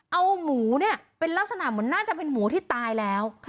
เอาหมูเนี่ยเป็นลักษณะเหมือนน่าจะเป็นหมูที่ตายแล้ว